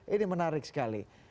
ini menarik sekali